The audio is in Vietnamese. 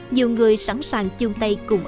nhiều người sẵn sàng chương tay cùng